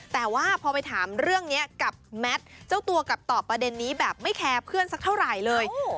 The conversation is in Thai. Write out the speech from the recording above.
แต่ว่าพอไปถามเรื่องนี้กับแมทเจ้าตัวกลับตอบประเด็นนี้แบบไม่แคร์เพื่อนสักเท่าไหร่เลย